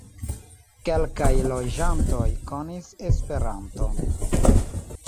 Kelkaj loĝantoj konis Esperanton.